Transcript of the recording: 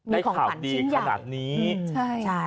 ได้ข่าวดีขนาดนี้นะฮะมีของขวัญชิ้นใหญ่